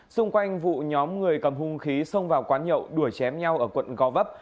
xung quanh vụ nhóm người cầm hung khí xông vào quán nhậu đuổi chém nhau ở quận gò vấp